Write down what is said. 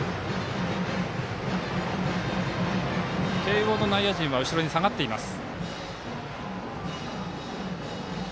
慶応の内野陣は後ろに下がっています。